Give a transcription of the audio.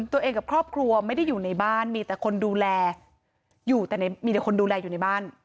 ตัวเองกับครอบครัวไม่ได้อยู่ในบ้านมีแต่คนดูแลอยู่แต่มีแต่คนดูแลอยู่ในบ้าน